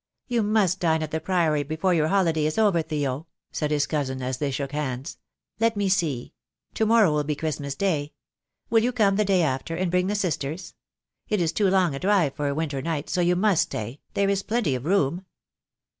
"You must dine at the Priory before your holiday is over, Theo," said his cousin, as they shook hands. "Let me see — to morrow will be Christmas Day — will you come the day after, and bring the sisters? It is too long a drive for a winter night, so you must stay, there is plenty of room."